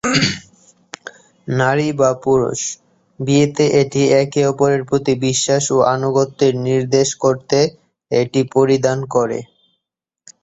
নারী বা পুরুষ বিয়েতে এটি একে অপরের প্রতি বিশ্বাস ও আনুগত্যের নির্দেশ করতে এটি পরিধান করে।